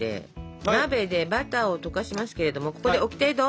鍋でバターを溶かしますけれどもここでオキテどうぞ！